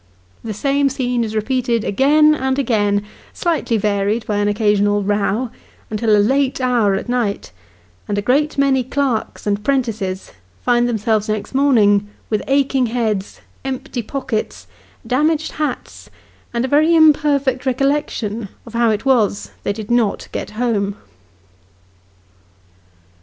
The same scene is repeated again and again (slightly varied by an occasional " row ") until a late hour at night : and a great many clerks and 'prentices find themselves next morning with aching heads, empty pockets, damaged hats, and a very imperfect recollection of how it was they did not get home.